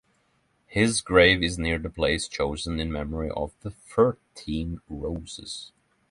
His grave is near the place chosen in memory of The Thirteen Roses.